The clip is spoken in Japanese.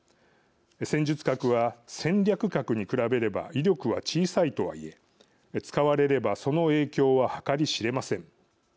戦術核は戦略核に比べれば威力は小さいとはいえ使われればその影響は計り知れません。